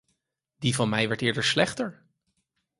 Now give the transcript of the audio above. Die van mij werd eerder slechter.